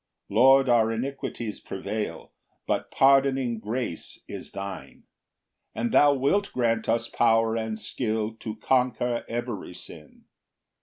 2 Lord, our iniquities prevail, But pardoning grace is thine, And thou wilt grant us power and skill To conquer every sin.